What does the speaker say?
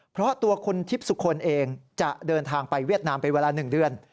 เพราะตัวคุณทิพย์สุคลเองจะเดินทางไปเวียดนามเป็นเวลา๑เดือน